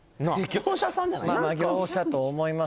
業者さんじゃない？